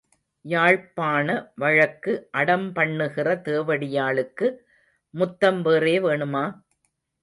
யாழ்ப்பாண வழக்கு அடம் பண்ணுகிற தேவடியாளுக்கு முத்தம் வேறே வேணுமா?